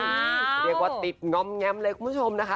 เรียกว่าติดงอมแงมเลยคุณผู้ชมนะคะ